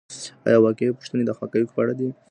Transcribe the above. آيا واقعي پوښتنې د حقایقو په اړه دي؟